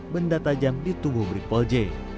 benda tajam di tubuh brikpol j